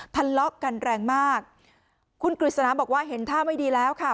ทะเลาะกันแรงมากคุณกฤษณาบอกว่าเห็นท่าไม่ดีแล้วค่ะ